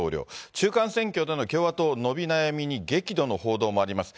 中間選挙での共和党伸び悩みに激怒の報道もあります。